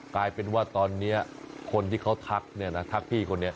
กลายเป็นว่าตอนนี้คนที่เขาทักเนี่ยนะทักพี่คนนี้